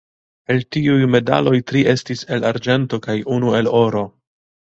El tiuj medaloj tri estis el arĝento kaj unu el oro.